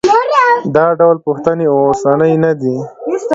دا ډول پوښتنې اوسنۍ نه دي.